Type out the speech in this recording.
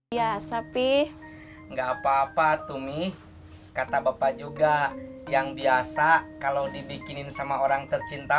ya sepi gak apa apa tumi kata bapak juga yang biasa kalau dibikinin sama orang tercinta